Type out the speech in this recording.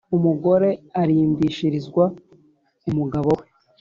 Umugore arimbishirizwa umugabo we